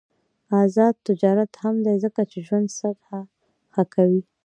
آزاد تجارت مهم دی ځکه چې ژوند سطح ښه کوي.